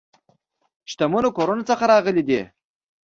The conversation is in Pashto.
شتمنو کورونو څخه راغلي دي.